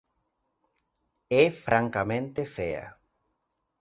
É francamente fea.